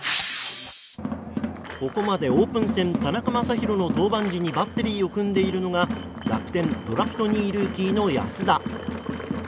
ここまでオープン戦田中将大の登板時にバッテリーを組んでいるのが楽天ドラフト２位ルーキーの安田。